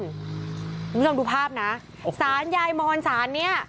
คุณผู้ชมดูภาพนะสารยายมอนสารเนี่ย